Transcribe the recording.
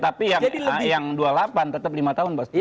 tapi yang dua puluh delapan tetap lima tahun bos